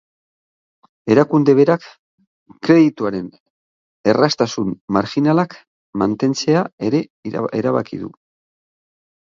Erakunde berak kredituaren erraztasun marginalak mantentzea ere erabaki du.